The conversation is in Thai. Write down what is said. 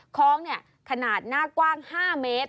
คล้องขนาดหน้ากว้าง๕เมตร